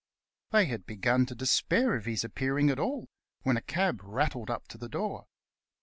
They had begun to despair of his appearing at all, when a cab rattled up to the door.